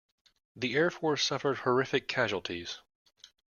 The air force suffered horrific casualties.